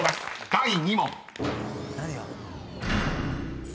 第２問］